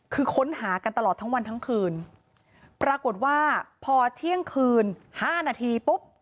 คือค้นหากันตลอดทั้งวันทั้งคืนปรากฏว่าพอเที่ยงคืนห้านาทีปุ๊บ